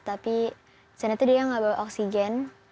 tapi sebenarnya dia nggak bawa oksigen